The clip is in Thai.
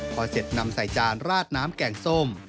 พอเสร็จนำใส่จานราดน้ำแกงส้ม